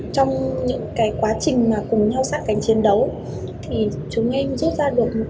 trong những cái quá trình mà cùng nhau sát cảnh chiến đấu thì chúng em rút ra được một cái